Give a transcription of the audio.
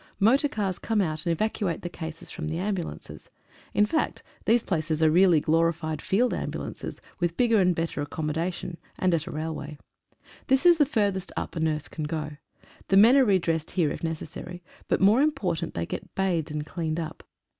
Motor cars come out and evacuate the cases from the ambulances. In fact, these places are really glorified field ambulances, with bigger and better accommodation, and at a railway. This is the furthest up a nurse can go. The men are re dressed here, if necessary; but more important, they get bathed and cleaned up.